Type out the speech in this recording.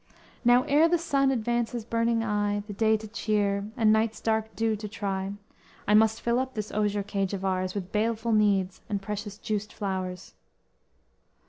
Now ere the sun advance his burning eye, The day to cheer, and night's dark dew to try, I must fill up this osier cage of ours With baleful needs and precious juiced flowers.